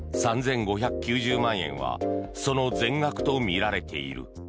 ３５９０万円はその全額とみられている。